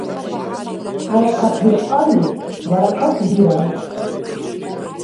ХӀяракат биркьалли — баракат бирар.